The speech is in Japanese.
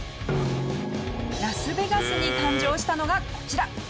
ラスベガスに誕生したのがこちら。